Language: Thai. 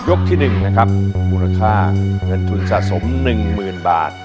ที่๑นะครับมูลค่าเงินทุนสะสม๑๐๐๐บาท